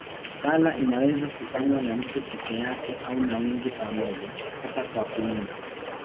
Sala inaweza kufanywa na mtu peke yake au na wengi pamoja, hata kwa kuimba.